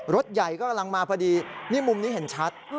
รถใหญ่ก็กำลังมาพอดีนี่มุมนี้เห็นชัด